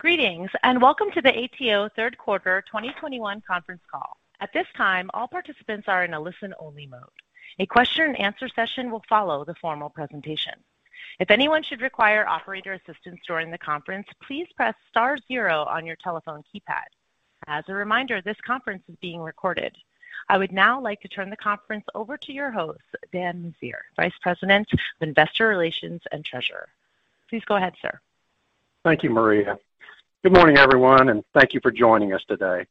Greetings, and welcome to the Atmos third quarter 2021 conference call. I would now like to turn the conference over to your host, Dan Meziere, Vice President of Investor Relations and Treasurer. Please go ahead, sir. Thank you, Maria. Good morning, everyone, and thank you for joining us today.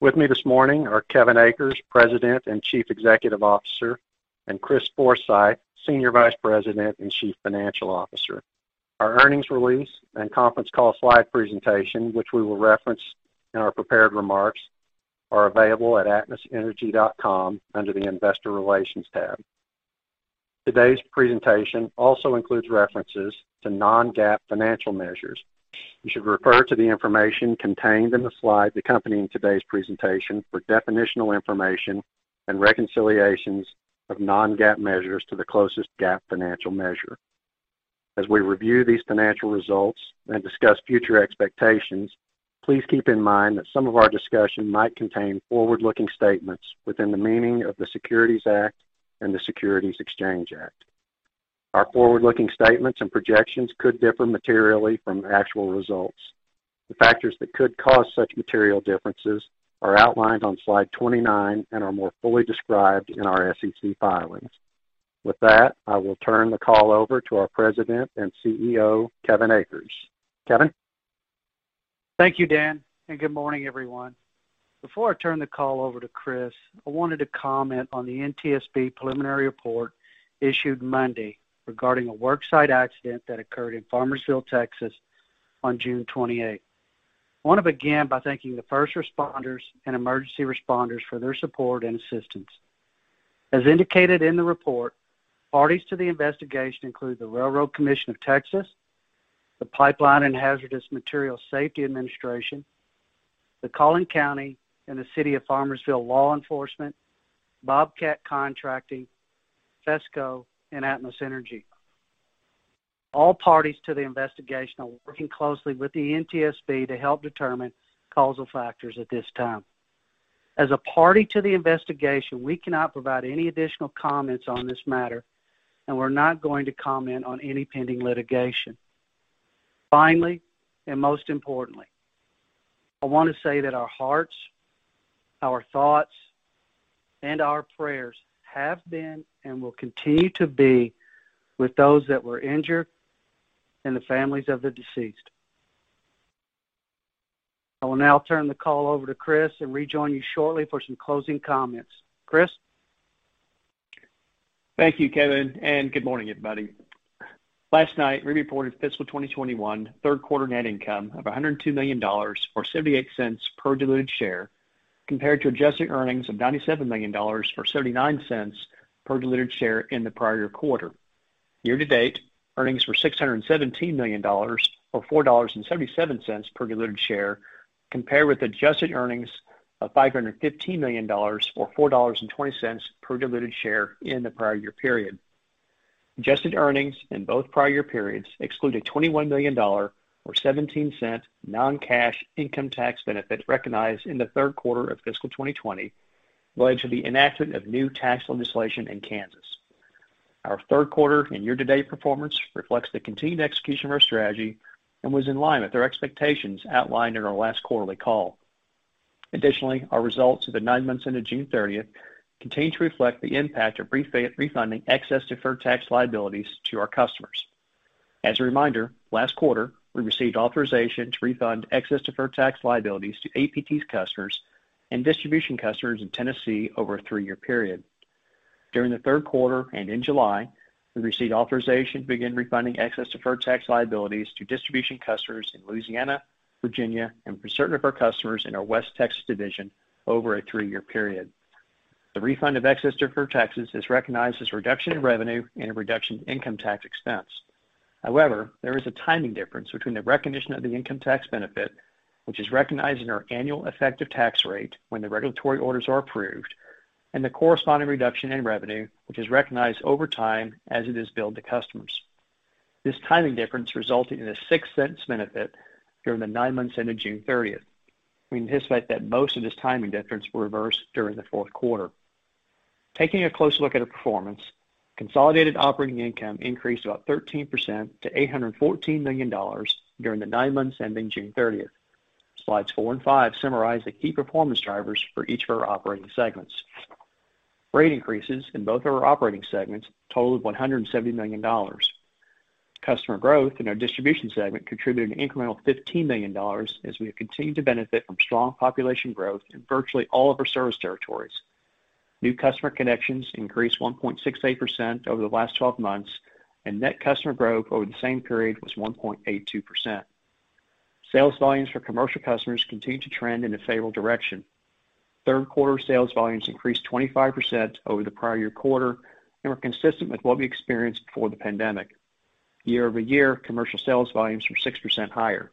With me this morning are Kevin Akers, President and Chief Executive Officer, and Chris Forsythe, Senior Vice President and Chief Financial Officer. Our earnings release and conference call slide presentation, which we will reference in our prepared remarks, are available at atmosenergy.com under the investor relations tab. Today's presentation also includes references to non-GAAP financial measures. You should refer to the information contained in the slide accompanying today's presentation for definitional information and reconciliations of non-GAAP measures to the closest GAAP financial measure. As we review these financial results and discuss future expectations, please keep in mind that some of our discussion might contain forward-looking statements within the meaning of the Securities Act and the Securities Exchange Act. Our forward-looking statements and projections could differ materially from actual results. The factors that could cause such material differences are outlined on slide 29 and are more fully described in our SEC filings. With that, I will turn the call over to our President and CEO, Kevin Akers. Kevin? Thank you, Dan. Good morning, everyone. Before I turn the call over to Chris, I wanted to comment on the NTSB preliminary report issued Monday regarding a worksite accident that occurred in Farmersville, Texas, on June 28th. I want to begin by thanking the first responders and emergency responders for their support and assistance. As indicated in the report, parties to the investigation include the Railroad Commission of Texas, the Pipeline and Hazardous Materials Safety Administration, the Collin County and the City of Farmersville Law Enforcement, Bobcat Contracting, FESCO, and Atmos Energy. All parties to the investigation are working closely with the NTSB to help determine causal factors at this time. As a party to the investigation, we cannot provide any additional comments on this matter. We're not going to comment on any pending litigation. Finally, and most importantly, I want to say that our hearts, our thoughts, and our prayers have been and will continue to be with those that were injured and the families of the deceased. I will now turn the call over to Chris and rejoin you shortly for some closing comments. Chris? Thank you, Kevin, and good morning, everybody. Last night, we reported fiscal 2021 third quarter net income of $102 million, or $0.78 per diluted share, compared to adjusted earnings of $97 million, or $0.79 per diluted share in the prior year quarter. Year-to-date, earnings were $617 million, or $4.77 per diluted share, compared with adjusted earnings of $515 million, or $4.20 per diluted share in the prior year period. Adjusted earnings in both prior year periods exclude a $21 million, or $0.17 non-cash income tax benefit recognized in the third quarter of fiscal 2020 related to the enactment of new tax legislation in Kansas. Our third quarter and year-to-date performance reflects the continued execution of our strategy and was in line with our expectations outlined in our last quarterly call. Our results for the nine months ended June 30th continue to reflect the impact of refunding excess deferred tax liabilities to our customers. Last quarter, we received authorization to refund excess deferred tax liabilities to APT customers and distribution customers in Tennessee over a three-year period. During the third quarter and in July, we received authorization to begin refunding excess deferred tax liabilities to distribution customers in Louisiana, Virginia, and for certain of our customers in our West Texas division over a three-year period. The refund of excess deferred taxes is recognized as a reduction in revenue and a reduction in income tax expense. However, there is a timing difference between the recognition of the income tax benefit, which is recognized in our annual effective tax rate when the regulatory orders are approved. The corresponding reduction in revenue, which is recognized over time as it is billed to customers. This timing difference resulted in a $0.06 benefit during the nine months ended June 30th. We anticipate that most of this timing difference will reverse during the fourth quarter. Taking a close look at our performance, consolidated operating income increased about 13% to $814 million during the nine months ending June 30th. Slides four and five summarize the key performance drivers for each of our operating segments. Rate increases in both of our operating segments totaled $170 million. Customer growth in our distribution segment contributed an incremental $15 million as we have continued to benefit from strong population growth in virtually all of our service territories. New customer connections increased 1.68% over the last 12 months, and net customer growth over the same period was 1.82%. Sales volumes for commercial customers continued to trend in a favorable direction. Third quarter sales volumes increased 25% over the prior year quarter and were consistent with what we experienced before the pandemic. Year-over-year, commercial sales volumes were 6% higher.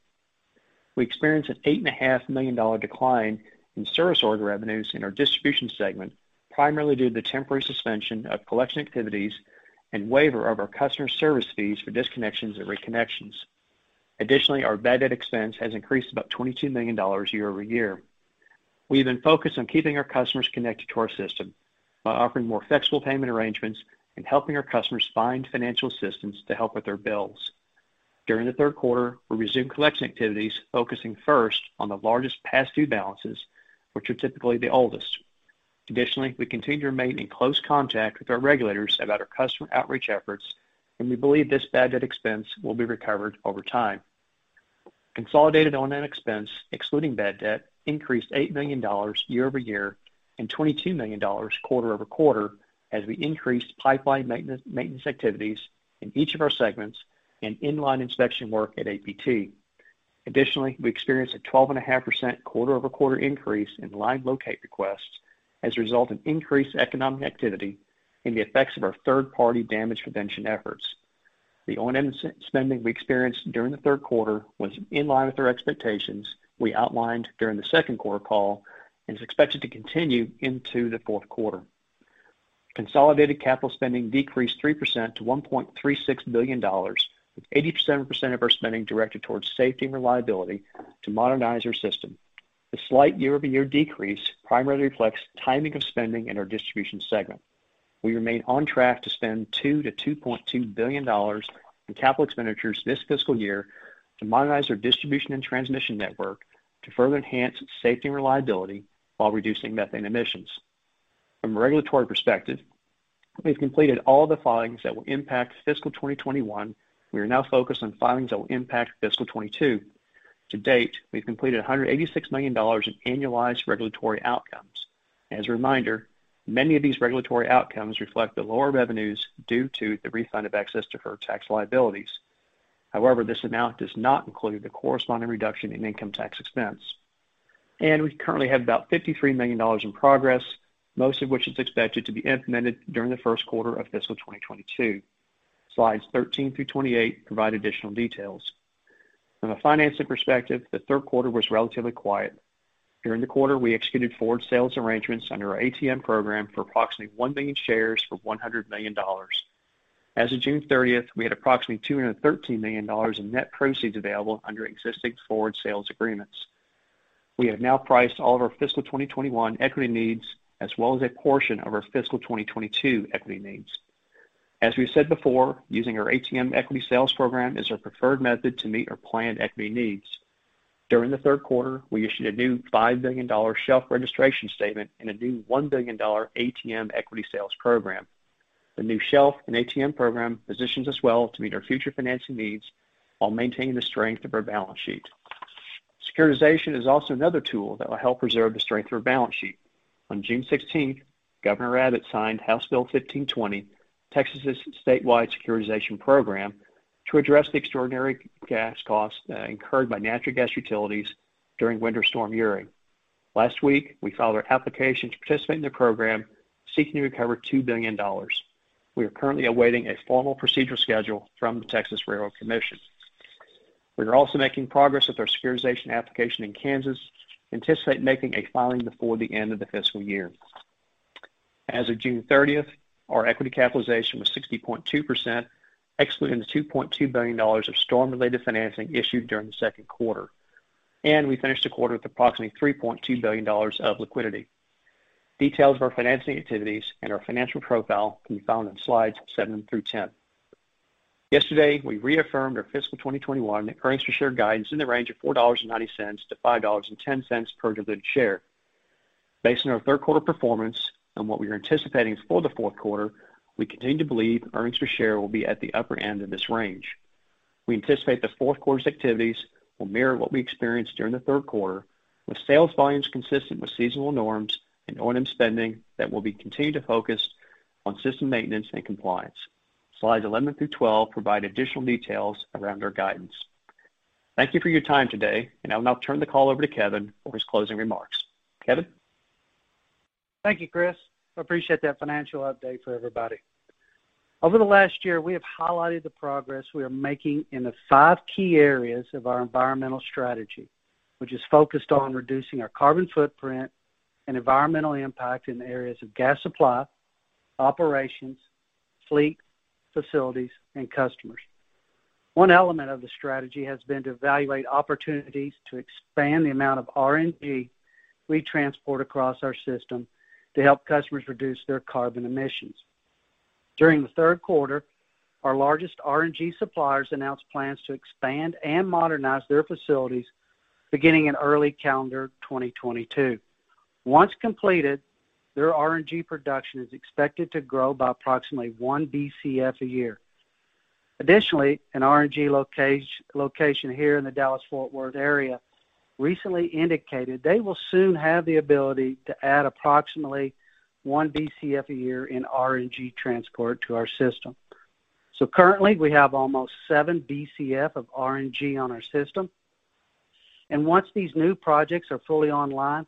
We experienced an $8.5 million decline in service order revenues in our distribution segment, primarily due to the temporary suspension of collection activities and waiver of our customer service fees for disconnections and reconnections. Additionally, our bad debt expense has increased about $22 million year-over-year. We've been focused on keeping our customers connected to our system by offering more flexible payment arrangements and helping our customers find financial assistance to help with their bills. During the third quarter, we resumed collection activities, focusing first on the largest past due balances, which are typically the oldest. Additionally, we continue to remain in close contact with our regulators about our customer outreach efforts, and we believe this bad debt expense will be recovered over time. Consolidated O&M expense, excluding bad debt, increased $8 million year-over-year and $22 million quarter-over-quarter as we increased pipeline maintenance activities in each of our segments and in-line inspection work at APT. Additionally, we experienced a 12.5% quarter-over-quarter increase in line locate requests as a result of increased economic activity and the effects of our third-party damage prevention efforts. The O&M spending we experienced during the third quarter was in line with our expectations we outlined during the second quarter call and is expected to continue into the fourth quarter. Consolidated capital spending decreased 3% to $1.36 billion, with 87% of our spending directed towards safety and reliability to modernize our system. The slight year-over-year decrease primarily reflects timing of spending in our distribution segment. We remain on track to spend $2 billion-$2.2 billion in capital expenditures this fiscal year to modernize our distribution and transmission network to further enhance safety and reliability while reducing methane emissions. From a regulatory perspective, we've completed all the filings that will impact fiscal 2021. We are now focused on filings that will impact fiscal 2022. To date, we've completed $186 million in annualized regulatory outcomes. As a reminder, many of these regulatory outcomes reflect the lower revenues due to the refund of excess deferred tax liabilities. However, this amount does not include the corresponding reduction in income tax expense. We currently have about $53 million in progress, most of which is expected to be implemented during the first quarter of fiscal 2022. Slides 13 through 28 provide additional details. From a financing perspective, the third quarter was relatively quiet. During the quarter, we executed forward sales arrangements under our ATM program for approximately 1 million shares for $100 million. As of June 30th, we had approximately $213 million in net proceeds available under existing forward sales agreements. We have now priced all of our fiscal 2021 equity needs, as well as a portion of our fiscal 2022 equity needs. As we've said before, using our ATM equity sales program is our preferred method to meet our planned equity needs. During the third quarter, we issued a new $5 billion shelf registration statement and a new $1 billion ATM equity sales program. The new shelf and ATM program positions us well to meet our future financing needs while maintaining the strength of our balance sheet. Securitization is also another tool that will help preserve the strength of our balance sheet. On June 16th, Governor Abbott signed House Bill 1520, Texas' statewide Securitization Program, to address the extraordinary gas costs incurred by natural gas utilities during Winter Storm Uri. Last week, we filed our application to participate in the program, seeking to recover $2 billion. We are currently awaiting a formal procedure schedule from the Texas Railroad Commission. We are also making progress with our securitization application in Kansas, anticipate making a filing before the end of the fiscal year. As of June 30th, our equity capitalization was 60.2%, excluding the $2.2 billion of storm-related financing issued during the second quarter. We finished the quarter with approximately $3.2 billion of liquidity. Details of our financing activities and our financial profile can be found on slides seven through ten. Yesterday, we reaffirmed our fiscal 2021 earnings per share guidance in the range of $4.90-$5.10 per diluted share. Based on our third quarter performance and what we are anticipating for the fourth quarter, we continue to believe earnings per share will be at the upper end of this range. We anticipate the fourth quarter's activities will mirror what we experienced during the third quarter, with sales volumes consistent with seasonal norms and O&M spending that will be continued to focus on system maintenance and compliance. Slides 11-12 provide additional details around our guidance. Thank you for your time today, and I'll now turn the call over to Kevin for his closing remarks. Kevin? Thank you, Chris. I appreciate that financial update for everybody. Over the last year, we have highlighted the progress we are making in the five key areas of our environmental strategy, which is focused on reducing our carbon footprint and environmental impact in the areas of gas supply, operations, fleet, facilities, and customers. One element of the strategy has been to evaluate opportunities to expand the amount of RNG we transport across our system to help customers reduce their carbon emissions. During the third quarter, our largest RNG suppliers announced plans to expand and modernize their facilities beginning in early calendar 2022. Once completed, their RNG production is expected to grow by approximately 1 Bcf a year. Additionally, an RNG location here in the Dallas-Fort Worth area recently indicated they will soon have the ability to add approximately 1 Bcf a year in RNG transport to our system. Currently, we have almost 7 Bcf of RNG on our system. Once these new projects are fully online.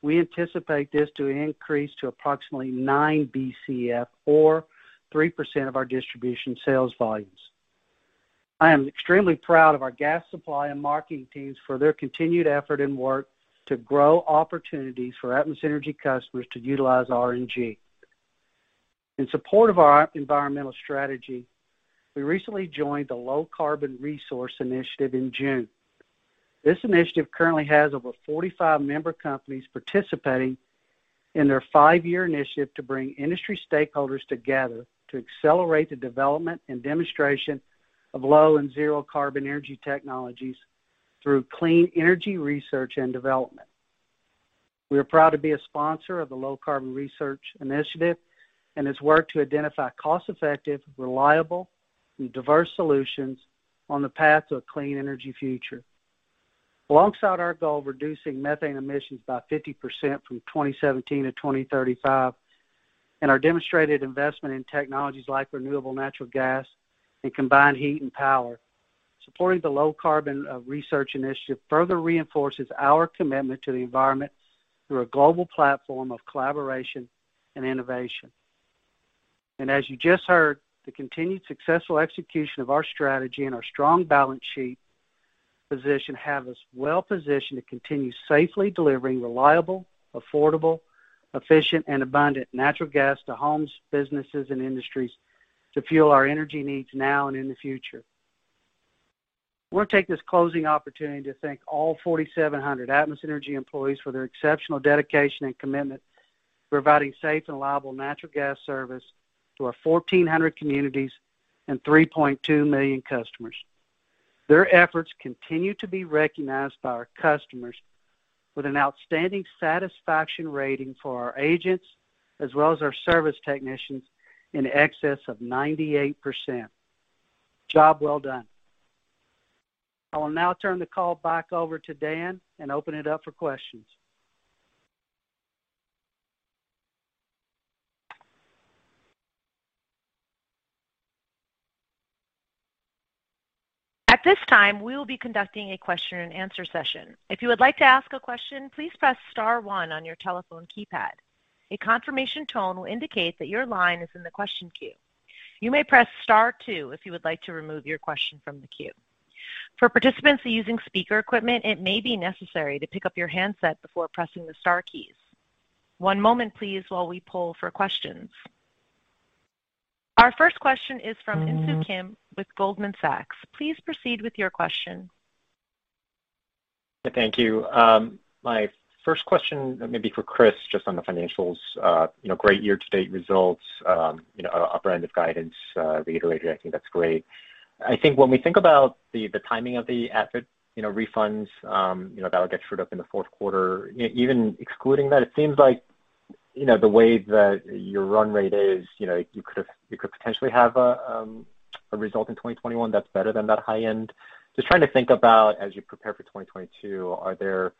We anticipate this to increase to approximately 9 Bcf, or 3% of our distribution sales volumes. I am extremely proud of our gas supply and marketing teams for their continued effort and work to grow opportunities for Atmos Energy customers to utilize RNG. In support of our environmental strategy, we recently joined the Low-Carbon Resources Initiative in June. This initiative currently has over 45 member companies participating in their five-year initiative to bring industry stakeholders together to accelerate the development and demonstration of low and zero-carbon energy technologies through clean energy research and development. We are proud to be a sponsor of the Low-Carbon Resources Initiative and its work to identify cost-effective, reliable, and diverse solutions on the path to a clean energy future. Alongside our goal of reducing methane emissions by 50% from 2017 to 2035, our demonstrated investment in technologies like renewable natural gas and combined heat and power, supporting the Low-Carbon Resources Initiative further reinforces our commitment to the environment through a global platform of collaboration and innovation. As you just heard, the continued successful execution of our strategy and our strong balance sheet position have us well positioned to continue safely delivering reliable, affordable, efficient, and abundant natural gas to homes, businesses, and industries to fuel our energy needs now and in the future. We'll take this closing opportunity to thank all 4,700 Atmos Energy employees for their exceptional dedication and commitment, providing safe and reliable natural gas service to our 1,400 communities and 3.2 million customers. Their efforts continue to be recognized by our customers with an outstanding satisfaction rating for our agents as well as our service technicians in excess of 98%. Job well done. I will now turn the call back over to Dan and open it up for questions. Our first question is from Insoo Kim with Goldman Sachs. Please proceed with your question. Thank you. My first question may be for Chris, just on the financials. Great year-to-date results, upper end of guidance reiterating, I think that's great. I think when we think about the timing of the asset refunds that will get trued up in the fourth quarter, even excluding that, it seems like the way that your run rate is, you could potentially have a result in 2021 that is better than that high end. Just trying to think about as you prepare for 2022, are there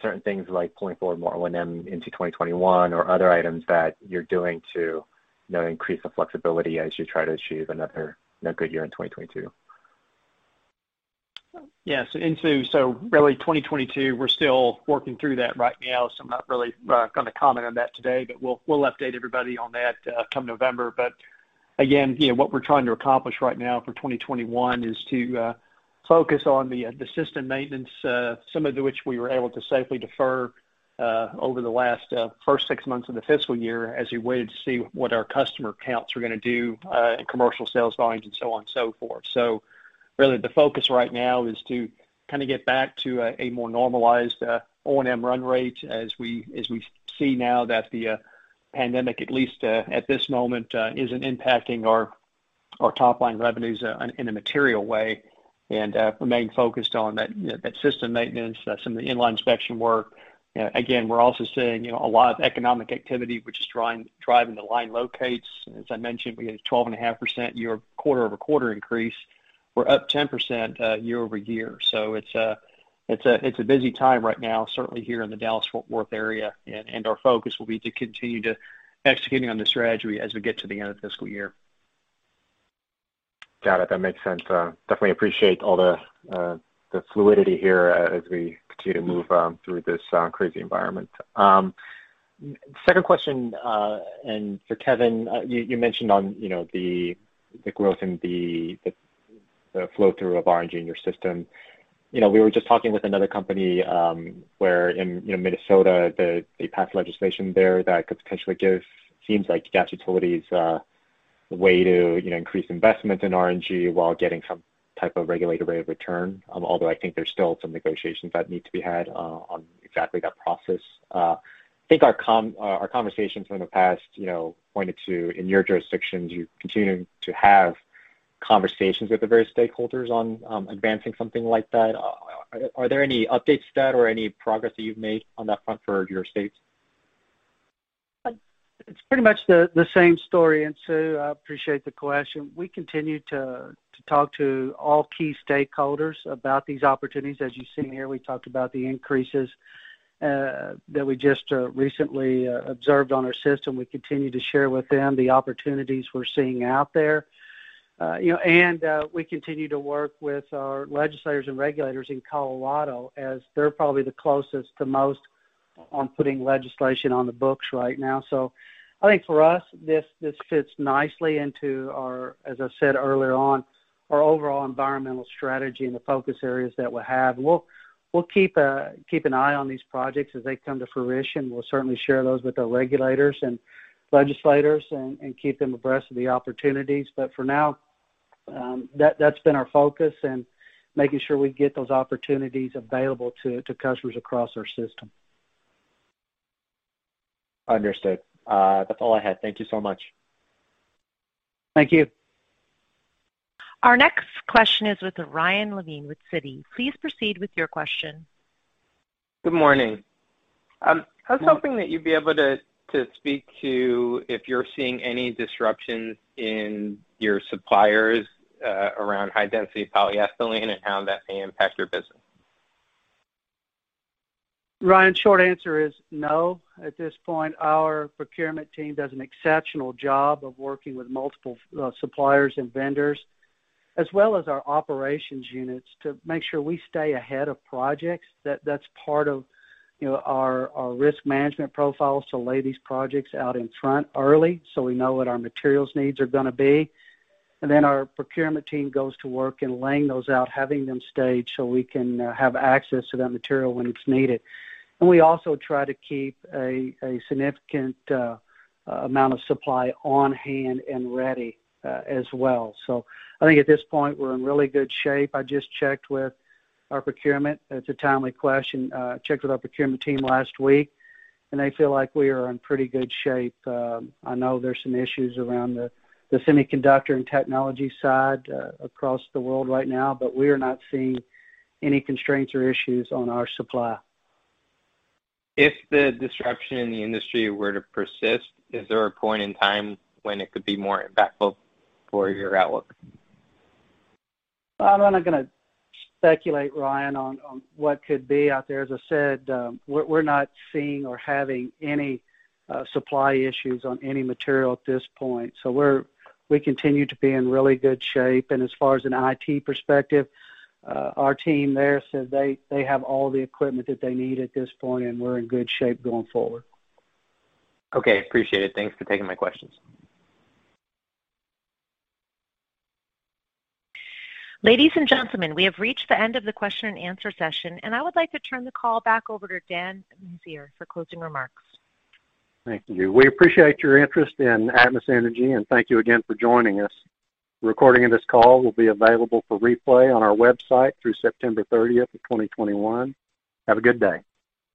certain things like pulling forward more O&M into 2021 or other items that you are doing to increase the flexibility as you try to achieve another good year in 2022? Yes. Insoo, really 2022, we're still working through that right now, I'm not really going to comment on that today. We'll update everybody on that come November. Again, what we're trying to accomplish right now for 2021 is to focus on the system maintenance, some of which we were able to safely defer over the last first six months of the fiscal year as we waited to see what our customer counts were going to do in commercial sales volumes and so on and so forth. Really the focus right now is to get back to a more normalized O&M run rate as we see now that the pandemic, at least at this moment, isn't impacting our top-line revenues in a material way. Remain focused on that system maintenance, some of the inline inspection work. We're also seeing a lot of economic activity, which is driving the line locates. As I mentioned, we had a 12.5% year quarter-over-quarter increase. We're up 10% year-over-year. It's a busy time right now, certainly here in the Dallas-Fort Worth area, and our focus will be to continue to executing on the strategy as we get to the end of the fiscal year. Got it. That makes sense. Definitely appreciate all the fluidity here as we continue to move through this crazy environment. Second question for Kevin. You mentioned on the growth in the flow through of RNG in your system. We were just talking with another company where in Minnesota, they passed legislation there that could potentially give, seems like gas utilities a way to increase investment in RNG while getting some type of regulated rate of return. I think there's still some negotiations that need to be had on exactly that process. I think our conversations in the past pointed to, in your jurisdictions, you continuing to have conversations with the various stakeholders on advancing something like that. Are there any updates to that or any progress that you've made on that front for your states? It's pretty much the same story, Insoo. I appreciate the question. We continue to talk to all key stakeholders about these opportunities. As you've seen here, we talked about the increases that we just recently observed on our system. We continue to share with them the opportunities we're seeing out there. We continue to work with our legislators and regulators in Colorado as they're probably the closest to most on putting legislation on the books right now. I think for us, this fits nicely into our, as I said earlier on, our overall environmental strategy and the focus areas that we have. We'll keep an eye on these projects as they come to fruition. We'll certainly share those with our regulators and legislators and keep them abreast of the opportunities. For now, that's been our focus and making sure we get those opportunities available to customers across our system. Understood. That's all I had. Thank you so much. Thank you. Our next question is with Ryan Levine with Citi. Please proceed with your question. Good morning. I was hoping that you'd be able to speak to if you're seeing any disruptions in your suppliers around high-density polyethylene and how that may impact your business. Ryan, short answer is no. At this point, our procurement team does an exceptional job of working with multiple suppliers and vendors, as well as our operations units to make sure we stay ahead of projects. That's part of our risk management profile to lay these projects out in front early so we know what our materials needs are going to be. Our procurement team goes to work in laying those out, having them staged so we can have access to that material when it's needed. We also try to keep a significant amount of supply on-hand and ready as well. I think at this point, we're in really good shape. I just checked with our procurement. That's a timely question. I checked with our procurement team last week, and they feel like we are in pretty good shape. I know there's some issues around the semiconductor and technology side across the world right now. We are not seeing any constraints or issues on our supply. If the disruption in the industry were to persist, is there a point in time when it could be more impactful for your outlook? I'm not going to speculate, Ryan, on what could be out there. As I said, we're not seeing or having any supply issues on any material at this point. We continue to be in really good shape, and as far as an IT perspective, our team there said they have all the equipment that they need at this point and we're in good shape going forward. Okay. Appreciate it. Thanks for taking my questions. Ladies and gentlemen, we have reached the end of the question and answer session, and I would like to turn the call back over to Dan Meziere for closing remarks. Thank you. We appreciate your interest in Atmos Energy. Thank you again for joining us. A recording of this call will be available for replay on our website through September 30th of 2021. Have a good day.